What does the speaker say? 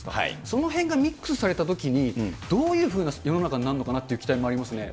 そのへんがミックスされたときに、どういうふうな世の中になるのかなという期待がありますね。